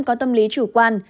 có tâm lý chủ quan